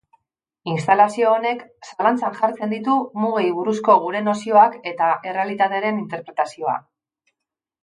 Instalazio honek zalantzan jartzen ditu mugei buruzko gure nozioak eta errealitatearen interpretazioa.